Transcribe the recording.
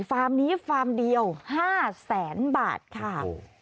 ฟาร์มนี้ฟาร์มเดียว๕แสนบาทค่ะ